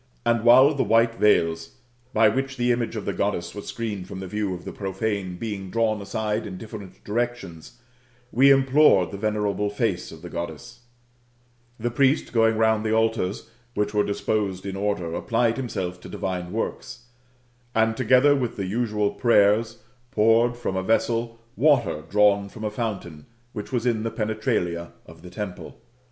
And while, the white veils [by which the image of the Goddess was screened from the view of the profane], being drawn aside in different directions, we implored the venerable face of the Goddess, the priest going round the altars, which were disposed in order, applied himself to divine works ; and, together with the usual prayers, poured from a vessel water drawn from a GOLDEN ASS, OF APULEIUS. — BOOK XI. 205 fountain which was in the penetralia of the temple.